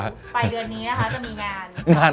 ไปเดือนนี้นะคะจะมีงาน